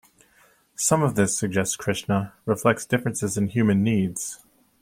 Some of this, suggests Krishna, reflects differences in human needs.